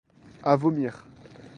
À vomir.